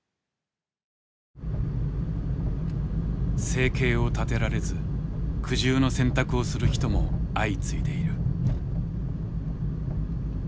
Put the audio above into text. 生計を立てられず苦渋の選択をする人も相次いでいる。